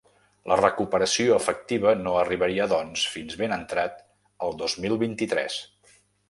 La recuperació efectiva no arribaria, doncs, fins ben entrat el dos mil vint-i-tres.